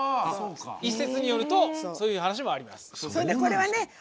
一説によるとそういう話もあります。